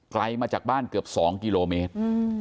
ไกลมาจากบ้านเกือบ๒กิโลเมตร